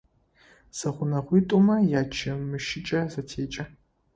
Зэгъунэгъуитӏумэ ячэмыщыкӏэ зэтекӏы.